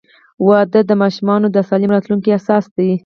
• واده د ماشومانو د سالم راتلونکي اساس دی.